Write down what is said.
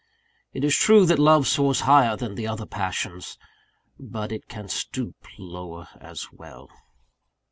It is true that love soars higher than the other passions; but it can stoop lower as well.